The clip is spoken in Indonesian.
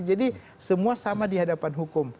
jadi semua sama di hadapan hukum